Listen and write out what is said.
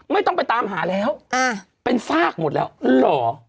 ไม่ต้องไปตามหาแล้วเป็นซากหมดแล้วเหรอ